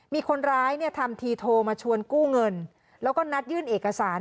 มีคนร้ายเนี่ยทำทีโทรมาชวนกู้เงินแล้วก็นัดยื่นเอกสาร